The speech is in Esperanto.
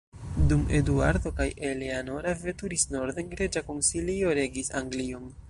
Dum Eduardo kaj Eleanora veturis norden, reĝa konsilio regis Anglion.